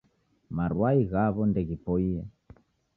Marwai ghawo ndeghipoiye